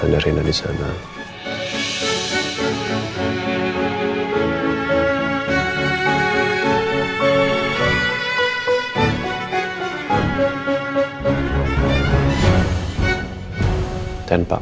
saya ceritain satu satu